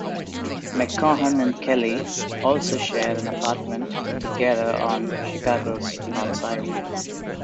McCaughan and Kelly also shared an apartment together on Chicago's north side.